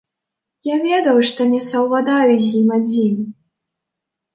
Я ведаў, што не саўладаю з ім адзін.